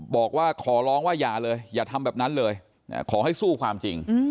บอกว่าขอร้องว่าอย่าเลยอย่าทำแบบนั้นเลยขอให้สู้ความจริง